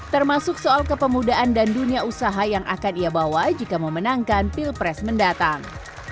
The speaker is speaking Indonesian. termasuk soal kepemudaan dan dunia usaha yang akan ia bawa jika memenangkan pilpres mendatang